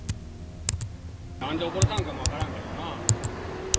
なんで溺れたんかも分からんけどな。